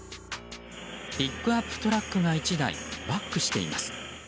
ピックアップトラックが１台バックしています。